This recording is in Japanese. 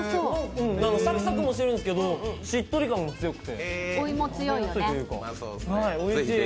サクサクもしてるんですけどしっとり感も強くておいしい。